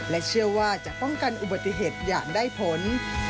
และเชื่อว่าจะป้องกันอุบัติเหตุอย่างได้ผล